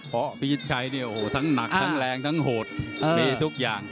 เพราะว่าพี่ชิคชัยเนี่ยทั้งหนักทั้งแรงทั้งโหดมีทุกอย่าง